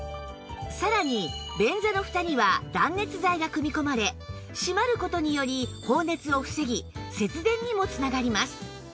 さらに便座のフタには断熱材が組み込まれ閉まる事により放熱を防ぎ節電にもつながります